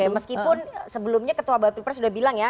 oke meskipun sebelumnya ketua bapil pres sudah bilang ya